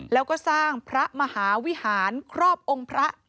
แล้วก็สร้างพระมหาวิหารครอบองค์พระ